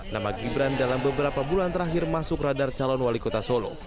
nama gibran dalam beberapa bulan terakhir masuk radar calon wali kota solo